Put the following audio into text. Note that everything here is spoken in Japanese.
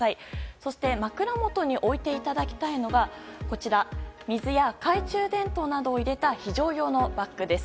そして、枕元に置いていただきたいのが水や懐中電灯などを入れた非常用のバッグです。